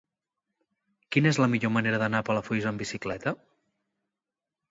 Quina és la millor manera d'anar a Palafolls amb bicicleta?